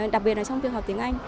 đặc biệt là trong việc học tiếng anh